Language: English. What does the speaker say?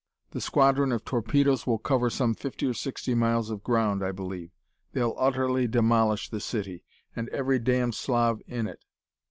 The squadron of torpedoes will cover some fifty or sixty miles of ground, I believe. They'll utterly demolish the city, and every damned Slav in it."